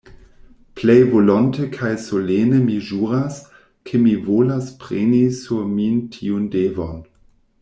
Plej volonte kaj solene mi ĵuras, ke mi volas preni sur min tiun devon.